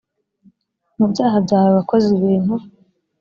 mu byaha byawe wakoze ibintu